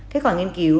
kết quả nghiên cứu